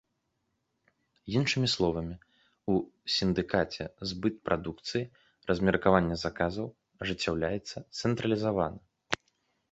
Іншымі словамі, у сіндыкаце збыт прадукцыі, размеркаванне заказаў ажыццяўляецца цэнтралізавана.